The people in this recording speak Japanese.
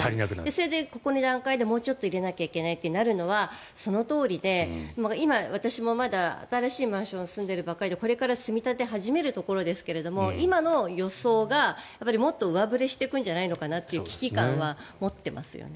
それでここの段階でもうちょっと入れていかないといけないとなるのはそのとおりで今、私も新しいマンションに住んでいるばっかりでこれから積み立て始めるところですが今の予想がもっと上振れしていくんじゃないのかなという危機感は持っていますよね。